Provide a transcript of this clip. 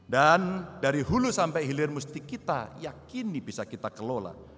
dan dari hulu sampai hilir mesti kita yakini bisa kita kelola